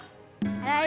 はい。